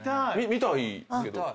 見たいけど。